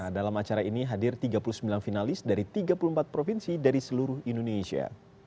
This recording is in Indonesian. dalam acara ini hadir tiga puluh sembilan finalis dari tiga puluh empat provinsi dari seluruh indonesia